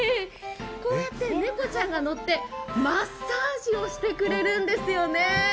こうやって猫ちゃんが乗ってマッサージをしてくれるんですよね。